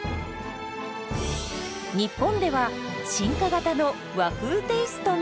日本では進化型の和風テイストも！